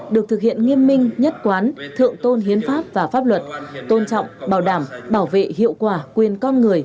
được thực hiện nghiêm minh nhất quán thượng tôn hiến pháp và pháp luật tôn trọng bảo đảm bảo hiệu quả quyền con người